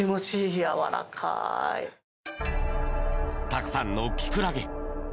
たくさんのキクラゲ。